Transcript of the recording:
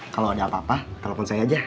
kalau ada apa apa telepon saya aja